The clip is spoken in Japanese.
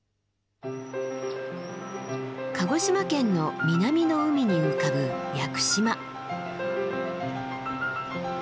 鹿児島県の南の海に浮かぶ屋久島。